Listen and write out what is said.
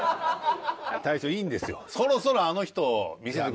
大将いいんですよ。